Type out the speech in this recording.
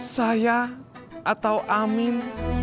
saya atau amin